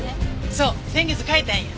そう先月変えたんや。